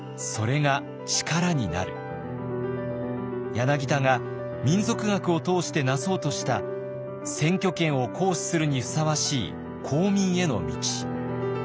柳田が民俗学を通して成そうとした選挙権を行使するにふさわしい公民への道。